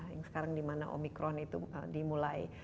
yang sekarang di mana omikron itu dimulai